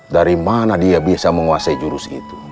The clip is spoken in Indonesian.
dari mana dia bisa menguasai jurus itu